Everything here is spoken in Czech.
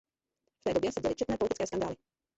V té době se děly četné politické skandály.